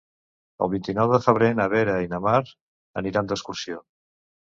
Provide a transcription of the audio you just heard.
El vint-i-nou de febrer na Vera i na Mar aniran d'excursió.